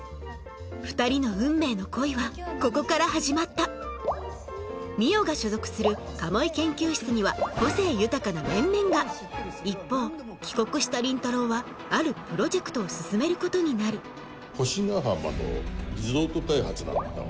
２人の運命の恋はここから始まった海音が所属する鴨居研究室には個性豊かな面々が一方帰国した倫太郎はあるプロジェクトを進めることになる星ヶ浜のリゾート開発なんだが。